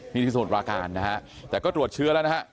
นี่ที่สมุทรปราการนะฮะแต่ก็ตรวจเชื้อแล้วนะฮะ